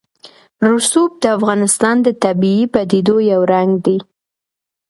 رسوب د افغانستان د طبیعي پدیدو یو رنګ دی.